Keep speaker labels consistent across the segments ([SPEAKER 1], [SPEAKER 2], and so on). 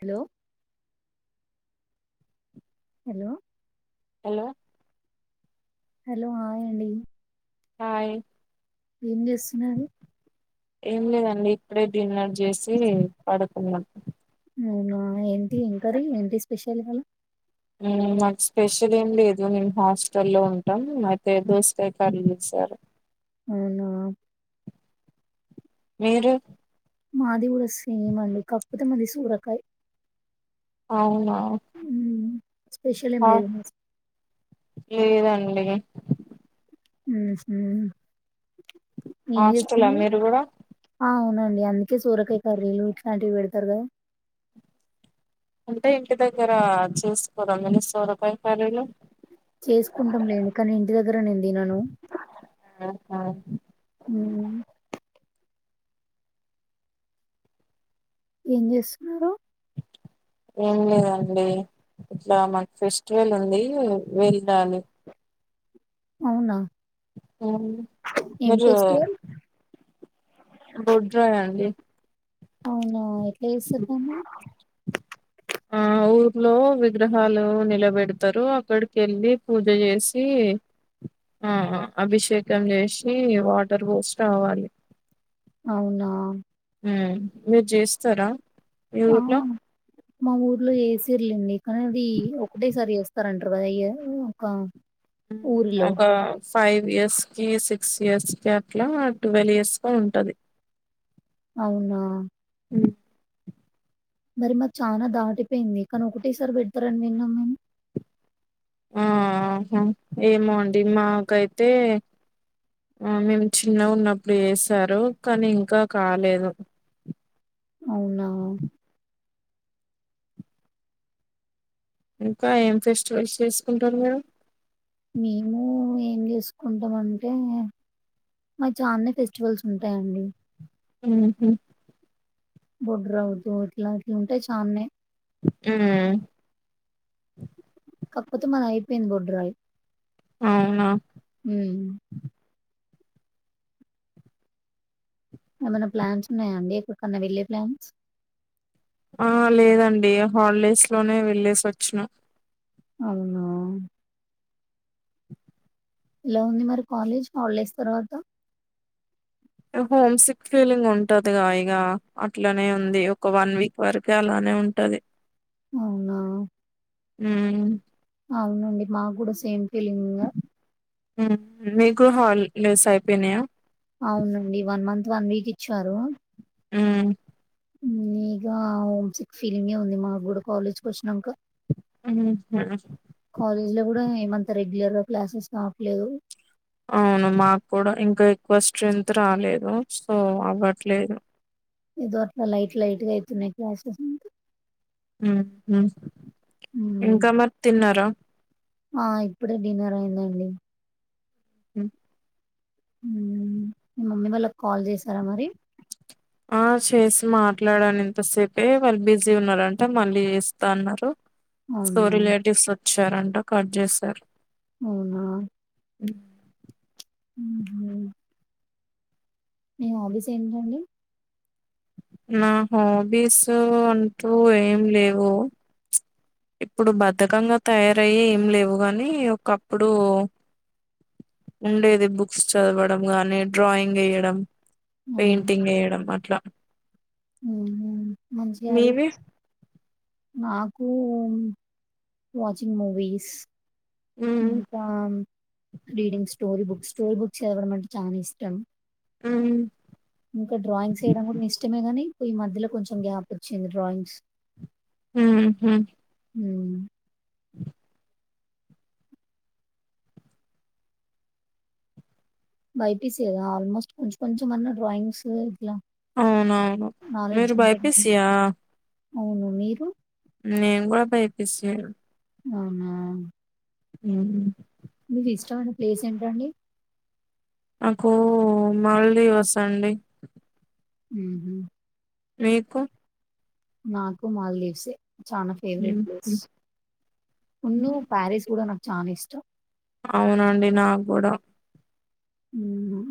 [SPEAKER 1] Hello hello
[SPEAKER 2] hello
[SPEAKER 1] hello hi అండి
[SPEAKER 2] hi
[SPEAKER 1] ఎమ్ చేస్తున్నారు
[SPEAKER 2] ఏం లేదండి ఇప్పుడే డిన్నర్ చేసి పడుకున్నా
[SPEAKER 1] అవునా ఏంటి ఏం కర్రీ ఏంటి స్పెషల్ ఇవాళ్ళ
[SPEAKER 2] మాకు స్పెషల్ ఏం లేదు మేము హాస్టల్ లో ఉంటాం మాకైతే దోసకయ్య సరే
[SPEAKER 1] అవునా
[SPEAKER 2] మీరు
[SPEAKER 1] మాది కూడా సేమ్ అండి కాకపోతే మది సూరకాయ
[SPEAKER 2] అవునా
[SPEAKER 1] హ్మ్ స్పెషల్ ఏం
[SPEAKER 2] హా-
[SPEAKER 1] లేదు మసి
[SPEAKER 2] లేదండి
[SPEAKER 1] ఉహు ఏం
[SPEAKER 2] హాస్టలా
[SPEAKER 1] చేస్తున్నారు
[SPEAKER 2] మీరు కూడా
[SPEAKER 1] ఆ అవున డి అందుకే సొరకాయి కర్రీలు ఇట్లాంటివి పెడతారు కదా
[SPEAKER 2] అంటే ఇంటి దగ్గర చేసుకోరా మీరు సొరకాయి కర్రీలు
[SPEAKER 1] చేసుకుంటాం లేండి కానీ ఇంటి దగ్గర నేన్ తినను
[SPEAKER 2] [unintelligible]
[SPEAKER 1] ఉమ్ ఏం చేస్తున్నారు
[SPEAKER 2] ఏం లేదండి ఇట్లా మాకు ఫెస్టివల్ ఉంది వెళ్ళాలి
[SPEAKER 1] అవునా
[SPEAKER 2] ఆ
[SPEAKER 1] ఏం
[SPEAKER 2] మీరు
[SPEAKER 1] ఫెస్టివల్
[SPEAKER 2] బొడ్రాయి అండి
[SPEAKER 1] అవునా ఎట్లే చేస్తారు దాని
[SPEAKER 2] ఆ ఊర్లో విగ్రహాలు నిలబెడతారు అక్కడికి వెళ్ళి పూజ చేసి ఆ అభిషేకం చేసి వాటర్ పోసి రావాలి
[SPEAKER 1] అవునా
[SPEAKER 2] మీరు చేస్తరా మీ ఊర్లో
[SPEAKER 1] ఆ మా ఊర్లో ఎసిర్లెండి కానీ అది ఒకటేసారి చేస్తారంటారు కదా అయ్య ఒక ఊరిలో.
[SPEAKER 2] ఒక ఫైవ్ ఇయర్స్ కి సిక్స్ ఇయర్స్ కి అట్లా ట్వెల్వ్ ఇయర్స్ లో ఉంటది
[SPEAKER 1] అవునా
[SPEAKER 2] ఉ
[SPEAKER 1] మరి మాకు చానా దాటిపోయింది కానీ ఒకటేసారి పెడతారని విన్నాం మేం
[SPEAKER 2] ఆహా ఏమో అండి మాకైతే ఆ మేము చిన్న ఉన్నప్పుడు వసారు కానీ ఇంకా కాలేదు
[SPEAKER 1] అవునా
[SPEAKER 2] ఇంకా ఏం ఫెస్టివల్స్ చేసుకుంటారు మీరు
[SPEAKER 1] మేము ఏం చేసుకుంటాంటే మరి చాన్నె ఫెస్టివల్స్ ఉంటాయండి
[SPEAKER 2] మ్మ్ హు
[SPEAKER 1] బొడ్రవుతు ఇట్లా అట్లుంటాయి చన్నే
[SPEAKER 2] ఉ
[SPEAKER 1] కాకపోతే మాది అయిపోయింది బొడ్రాయి
[SPEAKER 2] అవునా
[SPEAKER 1] ఉ ఏమైనా ప్లాన్స్ ఉన్నాయాండి ఎక్కడికన్నా వెళ్లే ప్లాన్స్
[SPEAKER 2] ఆ లేదండి హాలిడేస్ లోనే వెళ్ళేసోచినం
[SPEAKER 1] అవునా ఎలా ఉంది మరి కాలేజ్ హాలిడేస్ తర్వాత
[SPEAKER 2] హోమ్ సిక్ ఫీలింగ్ ఉంటదిగా ఇగా అట్లనే ఉంది ఒక వన్ వీక్ వరకే అలా నే ఉంటది
[SPEAKER 1] అవునా
[SPEAKER 2] మ్మ్
[SPEAKER 1] అవునండి మాకు గుడ సేమ్ ఫీలింగ్ ఉందా?
[SPEAKER 2] మీకు హాల్ డేస్ అయిపోయినయా?
[SPEAKER 1] అవునండి వన్ మంత్ వన్ వీక్ ఇచ్చారు.
[SPEAKER 2] ఉమ్
[SPEAKER 1] ఇగ హోమ్ సిక్ ఫీలింగే ఉంది మాకు కూడా కాలేజ్కి వచ్చినంక.
[SPEAKER 2] ఉహు
[SPEAKER 1] కాలేజ్ లో గుడ ఏమంత రెగ్యులర్ గా క్లాసెస్ ఆపలేవ్.
[SPEAKER 2] అవును మాకు కూడ ఇంకా ఎక్కువ స్ట్రెంగ్త్ రాలేదు సో అవ్వట్లేదు.
[SPEAKER 1] ఏదో అట్ల లైట్ లైట్ గా అయితున్నయి క్లాసెస్ అంతె.
[SPEAKER 2] ఉహు,
[SPEAKER 1] హ్మ్.
[SPEAKER 2] ఇంకా మరి తిన్నారా?
[SPEAKER 1] ఆ ఇప్పుడే డిన్నర్ అయిందండి.
[SPEAKER 2] ఉమ్
[SPEAKER 1] ఉమ్ మీ మమ్మీ వాళ్ళకి కాల్ చేసారా మరి?
[SPEAKER 2] ఆ ఫస్ట్ చేసి మాట్లాడాను ఇంతసేపే, వాళ్ళు బిజీ ఉన్నరంటే మళ్ళీ చేస్తా అన్నరు. సో
[SPEAKER 1] అవునా!
[SPEAKER 2] రిలేటివ్స్ వచ్చారంట కట్ చేశారు.
[SPEAKER 1] అవునా?
[SPEAKER 2] ఉమ్
[SPEAKER 1] ఉహు మీ హాబీస్ ఏంటండి?
[SPEAKER 2] నా హాబీసు అంటూ ఏం లేవు. ఇప్పుడు బద్దకంగా తయారయ్యి ఏం లేవు, కని ఒకప్పుడు
[SPEAKER 1] [inaudible]
[SPEAKER 2] ఉండేది బుక్స్ చదవడం గాని, డ్రాయింగ్ ఏయడం. పెయింటింగ్ వేయడం అట్లా.
[SPEAKER 1] ఉహు మంచి
[SPEAKER 2] మీవి?
[SPEAKER 1] హ్యాబిట్స్ నాకు వాచింగ్ మూవీస్.
[SPEAKER 2] హ్మ్.
[SPEAKER 1] ఇంకా reading story books, story book చదవడం అంటే చానా ఇష్టం.
[SPEAKER 2] హ్మ్.
[SPEAKER 1] ఇంకా డ్రాయింగ్స్ ఏయడం గుడ ఇష్ ఇష్టమే గనీ పోయ్ మధ్యలో కొంచెం గ్యాప్ వచ్చింది డ్రాయింగ్స్.
[SPEAKER 2] ఆ అట్ల
[SPEAKER 1] ఉమ్
[SPEAKER 2] [inaudible]
[SPEAKER 1] బైపీసి కదా ఆల్మోస్ట్ కొంచం కొంచం మన్నా డ్రాయింగ్స్ ఇట్లా
[SPEAKER 2] అవునవును
[SPEAKER 1] నాలెడ్జ్
[SPEAKER 2] మీరు
[SPEAKER 1] ఉంటది.
[SPEAKER 2] బైపిసి ఆ?
[SPEAKER 1] అవును మీరు?
[SPEAKER 2] నేను గుడ బైపిసి ఏ.
[SPEAKER 1] అవునా.
[SPEAKER 2] ఉమ్
[SPEAKER 1] మీకు ఇష్టమైన ప్లేస్ ఏంటండి?
[SPEAKER 2] నాకు మాల్దీవ్స్ అండి.
[SPEAKER 1] ఉహు
[SPEAKER 2] మీకు
[SPEAKER 1] నాకు మాల్దీవ్సే. చాన ఫేవరెట్ ప్లేస్,
[SPEAKER 2] హుహు.
[SPEAKER 1] న్యూ ప్యారిస్ గుడ నాకు చానా ఇష్టం.
[SPEAKER 2] అవునానండీ నాకు కూడా
[SPEAKER 1] మ్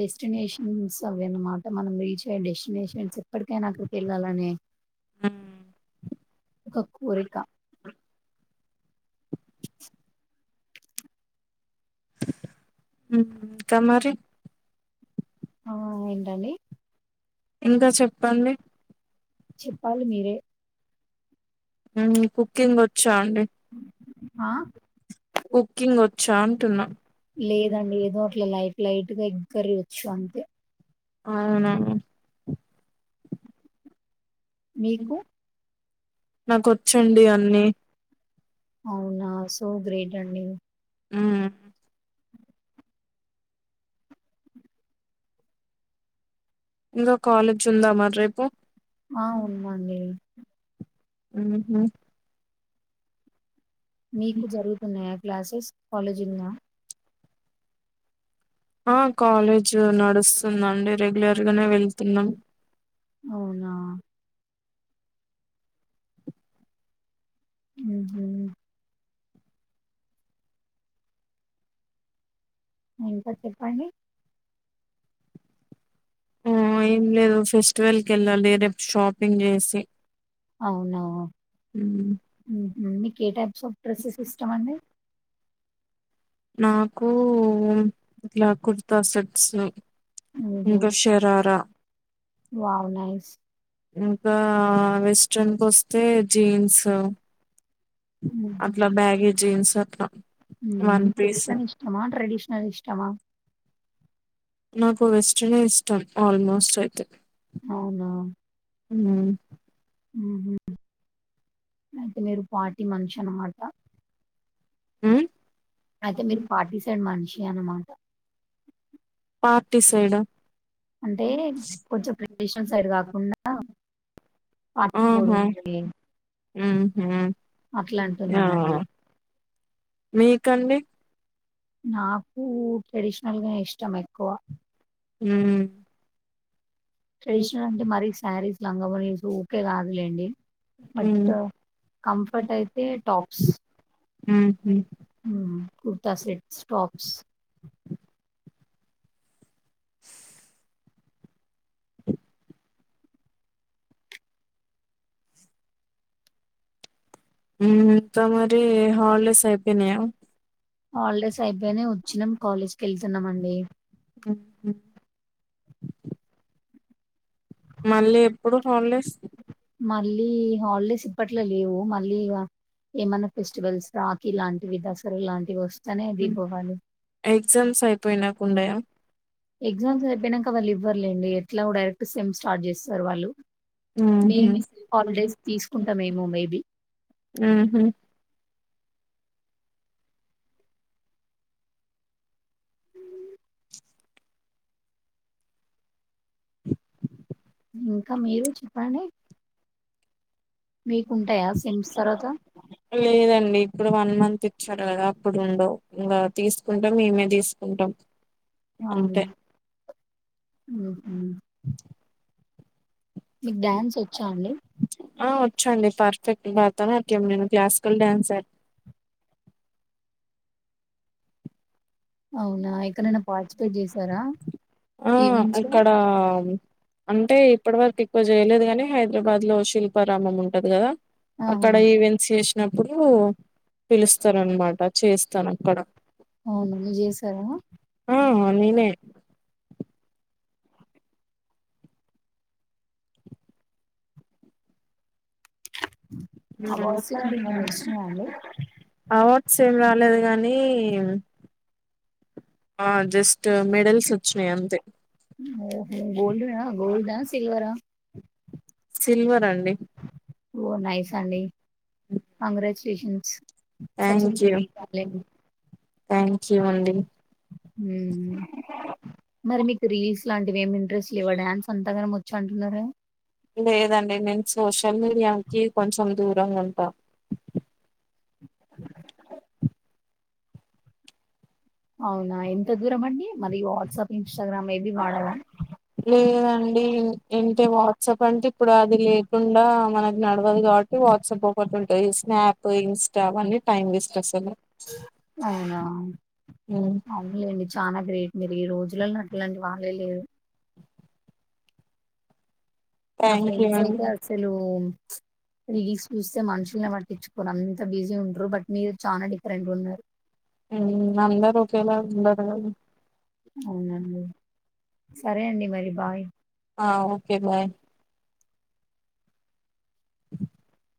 [SPEAKER 1] డెస్టినేషన్స్ అవి అన్నమాట. మనం రీచ్ అయ్యే డెస్టినేషన్స్ ఎప్పటికైనా అక్కడికి వెళ్ళాలని
[SPEAKER 2] ఆ [inaudible]
[SPEAKER 1] ఒక కోరిక [inaudible]
[SPEAKER 2] ఇంకా మరి
[SPEAKER 1] ఆ ఏంటండి
[SPEAKER 2] ఇంకా చెప్పండి
[SPEAKER 1] చెప్పాలి మీరే
[SPEAKER 2] కుకింగ్ వచ్చా అండి
[SPEAKER 1] ఆ
[SPEAKER 2] కుకింగ్ వచ్చా అంటున్నా
[SPEAKER 1] లేదండి ఏదో అట్ల లైట్ లైట్ గా ఎగ్ కర్రీ వచ్చు అంతే
[SPEAKER 2] అవునా
[SPEAKER 1] మీకు
[SPEAKER 2] నాకు వచ్చండి అన్నీ
[SPEAKER 1] అవునా సో గ్రేట్ అండి
[SPEAKER 2] మ్ ఇంకో కాల్ వచ్చిందా మాట్లాడు పో
[SPEAKER 1] ఆ ఉందడి.
[SPEAKER 2] మ్ హు
[SPEAKER 1] మీకు జరుగుతున్నాయా క్లాసెస్ కాలేజీ ఉందా
[SPEAKER 2] ఆ కాలేజ్ నడుస్తుందండి రెగ్యులర్ గానే వెళ్తున్నాం
[SPEAKER 1] అవునా మ్ హూ ఇంకా చెప్పండి
[SPEAKER 2] ఆ ఏం లేదు ఫెస్టివల్ క వెళ్ళాలి రేపు షాపింగ్ చేసి.
[SPEAKER 1] అవున
[SPEAKER 2] మ్మ్
[SPEAKER 1] మీకు ఏ టైప్స్ ఆఫ్ డ్రెస్సెస్ ఇష్టం అండి
[SPEAKER 2] నాకు ఇట్లా కుర్తా సెట్స్
[SPEAKER 1] హుహు.
[SPEAKER 2] ఇంకా షరారా
[SPEAKER 1] వావ్ నైస్
[SPEAKER 2] ఇంకా వెస్ట్రన్ కు వస్తే జీన్స్
[SPEAKER 1] హుహు.
[SPEAKER 2] అట్లా బ్యాగే జీన్స్ అట్లా వన్ పీస్
[SPEAKER 1] వెస్టర్న్ ఇష్టమా ట్రెడిషనల్ ఇష్టమా?
[SPEAKER 2] నాకు వెస్ట్రనే ఇష్టం ఆల్మోస్ట్ అయితే
[SPEAKER 1] అవునా
[SPEAKER 2] మ్
[SPEAKER 1] మ్ హు అయితే పార్టీ మంచ్ అన్నమాట
[SPEAKER 2] మ్
[SPEAKER 1] అయితే మీరు ఫార్టీ సైడ్ మనిషి అన్నమాట
[SPEAKER 2] పార్టీ సైడ్
[SPEAKER 1] అంటే కొంచెం క్రిస్పీ సైడ్ కాకుండా పానీ పూరీ
[SPEAKER 2] ఆహా
[SPEAKER 1] ఉంది. అట్లా
[SPEAKER 2] ఆ
[SPEAKER 1] అంటున్నానండి.
[SPEAKER 2] మీకండి
[SPEAKER 1] నాకు ట్రెడిషనల్గా ఇష్టం ఎక్కువ
[SPEAKER 2] ఉమ్
[SPEAKER 1] ట్రెడిషనల్ అంటే మరి శారీస్ లంగఓనీస్ ఊకే కాదులేండి బట్
[SPEAKER 2] మ్మ్
[SPEAKER 1] కంఫర్ట్ అయితే టాప్స్
[SPEAKER 2] ఊహు
[SPEAKER 1] కుర్తా సెట్స్ టాప్స్
[SPEAKER 2] స్ అవున మ్ త మరి హాలిడేస్ అయిపోనయ
[SPEAKER 1] హాలిడేస్ అయిపోయినయ్ వచ్చినాం కాలేజ్ కి వెళ్తున్నామండి
[SPEAKER 2] హు హు మళ్ళీ ఎప్పుడు హలీడేస్
[SPEAKER 1] మళ్ళీ హాలిడేస్ ఇప్పట్లో లేవు మళ్ళీ ఇగ ఏమన్నా ఫెస్టివల్స్ రాకిీ లాంటివి దసర లాంటివి వస్తనే దీపవళి
[SPEAKER 2] ఎగజామ్స్ అయిపోయినాక ఉండయా
[SPEAKER 1] ఎగ్జామ్ అయిపోయినంక వాళ్ళు ఇవ్వర్లేండి ఎట్లాగు డైరెక్ట్ సెమ్ స్టార్ట్ చేస్తరు వాళ్ళు
[SPEAKER 2] మ్మ్
[SPEAKER 1] మేం
[SPEAKER 2] హ్మ్
[SPEAKER 1] హాలిడేస్ తీసుకుంటామేమో మేబీ
[SPEAKER 2] మ్మ్ హ్మ్
[SPEAKER 1] ఇంకా మీరు చెప్పండి మీకుంటాయా సెమ్స్ తర్వాత?
[SPEAKER 2] లేదండి ఇప్పుడు వన్ మంత్ ఇచ్చారు కదా అప్పుడు ఉండవు ఇంకా తీసుకుంటాం మేమే తీసుకుంటాం
[SPEAKER 1] అవున
[SPEAKER 2] అంతే
[SPEAKER 1] ఉహు మీకు డ్యాన్స్ వచ్చా అండి
[SPEAKER 2] ఆ వచ్చండి పర్ఫెక్ట్ భరత నాట్యం నేను క్లాసికల్ డ్యాన్సర్
[SPEAKER 1] అవునా ఎక్కనైనా పార్టిసిపేట్ చేశారా
[SPEAKER 2] ఆ
[SPEAKER 1] ఈవెంట్స్‌లో?
[SPEAKER 2] అక్కడ అంటే ఇప్పటి వరకు ఎక్కువ జేయలేదు గాని హైదరాబాద్ లో శిల్పారామం ఉంటది కదా
[SPEAKER 1] ఆహా!
[SPEAKER 2] అక్కడ ఈవెంట్స్ చేసి నప్పుడు పిలుస్తారన్నమాట చేస్తాను అక్కడ
[SPEAKER 1] అవునా మీరు చేశారా?
[SPEAKER 2] ఆ నేనే
[SPEAKER 1] అవార్డ్స్ లాంటివి ఏమన్నా వచ్చినాయా అండి?
[SPEAKER 2] అవార్డ్స్ ఏమి రాలేదు గాని నీ ఆ జస్ట్ మెడల్స్ వచ్చినాయి అంతే
[SPEAKER 1] ఓ గోల్డ్ దా గోల్డ సిల్వర
[SPEAKER 2] సిల్వర్ అండి
[SPEAKER 1] ఓ నైస్ అండి congratulations such a
[SPEAKER 2] thank you
[SPEAKER 1] great talent
[SPEAKER 2] thank you అండి
[SPEAKER 1] మ్ మరి మీకు రీల్స్ లాంటివి ఏమి రీల్స్ లేవా డాన్స్ అంతాగానం వచ్చంటున్నారు గదా
[SPEAKER 2] లేదండి నేను సోషల్ మీడియాకి కొంచెం దూరంగా ఉంటా
[SPEAKER 1] [inaudible] అవునా ఎంత దూరం అండి మరి వాట్సాప్ ఇన్‌స్టాగ్రామ్ ఏవి వాడరా?
[SPEAKER 2] లేదండి ఏంటి వాట్సాప్ అంటే ఇప్పుడు అది లేకుండా మనకి నడవదు కాబట్టి వాట్సాప్ ఒకటి ఉంటది స్నాప్ ఇన్స్టా అవన్నీ టైమ్ వేస్ట్ అసలు
[SPEAKER 1] అవునా
[SPEAKER 2] హ్మ్.
[SPEAKER 1] అవునులేండీ చానా గ్రేట్ మీరు ఈ రోజలల్లో ఇట్లాంటి వాళ్ళే లేరు. నా
[SPEAKER 2] థ్యాంక్ యూ
[SPEAKER 1] ఫ్రెండ్స్
[SPEAKER 2] అండి
[SPEAKER 1] అయితే అసలు, ప్చ్ రీల్స్ చూస్తే మనుషులనే పట్టించుకోరు అంత్ త బిజీ ఉంటరు బట్, మీరు చానా డిఫరెంట్ ఉన్నరు.
[SPEAKER 2] ఉమ్ అందరు ఒకేలా ఉండరు కదా.
[SPEAKER 1] అవునండి, సరే అండి మరి బాయ్.
[SPEAKER 2] ఆ ఓకే బాయ్. [unintelligible]